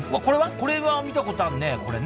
これは見たことあるねこれね。